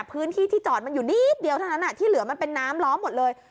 พื้นที่ที่จอดมันอยู่นิดเดียวเท่านั้นที่เหลือมันเป็นน้ำล้อมหมดเลย